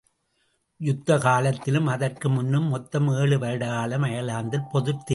யுத்த காலத்திலும் அதற்கு முன்னும் மொத்தம் ஏழு வருடகாலம் அயர்லாந்தில் பொதுத் தேர்தலே நடக்கவில்லை.